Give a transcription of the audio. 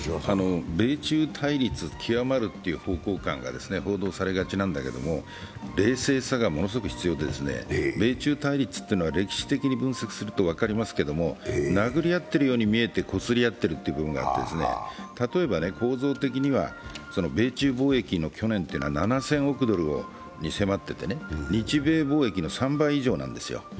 米中対立極まるという方向感が報道されがちなんだけれども冷静さがものすごく必要で米中対立というのは歴史的に分析すると分かりますけど殴り合っているようにみえてこすり合っている部分があって、例えば構造的には米中貿易の去年ってのは７０００億ドルに迫っていて、日米貿易の３倍以上なんですよ。